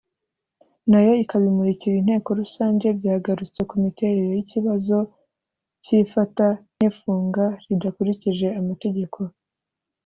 nayo ikabimurikira inteko rusange byagarutse ku miterere y’ikibazo cy’ifata n’ifunga ridakurikije amategeko